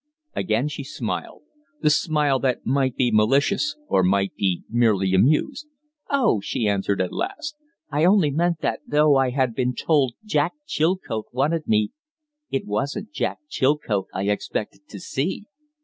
Again she smiled the smile that might be malicious or might be merely amused. "Oh," she answered at last, "I only meant that though I had been told Jack Chilcote wanted me, it wasn't Jack Chilcote I expected to see!"